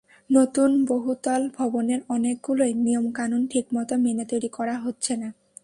নতুন বহুতল ভবনের অনেকগুলোই নিয়মকানুন ঠিকমতো মেনে তৈরি করা হচ্ছে না।